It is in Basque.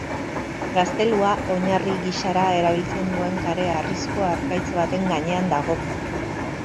Gaztelua oinarri gisara erabiltzen duen kareharrizko harkaitz baten gainean dago.